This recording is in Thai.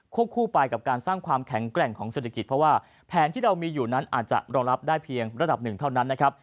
คู่ไปกับการสร้างความแข็งแกร่งของเศรษฐกิจเพราะว่าแผนที่เรามีอยู่นั้นอาจจะรองรับได้เพียงระดับหนึ่งเท่านั้นนะครับ